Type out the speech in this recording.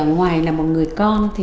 ngoài là một người con